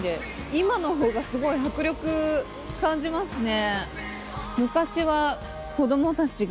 今の方がすごい迫力感じますね。